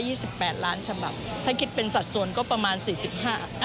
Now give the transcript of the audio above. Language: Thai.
ร้อยยี่สิบแปดหลานฉมับถ้าคิดเป็นสัตว์ส่วนก็ประมาณสี่สิบข้า